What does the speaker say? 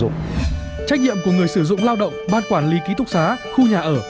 trách nhiệm của người sử dụng lao động ban quản lý ký túc xá khu nhà ở